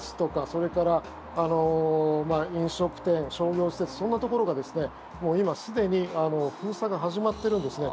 それから飲食店、商業施設そんなところがもう今すでに封鎖が始まっているんですね。